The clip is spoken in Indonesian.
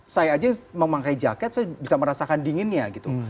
saya aja memakai jaket saya bisa merasakan dinginnya gitu